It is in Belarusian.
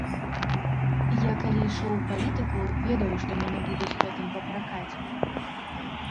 Я калі ішоў ў палітыку, ведаў, што мяне будуць гэтым папракаць.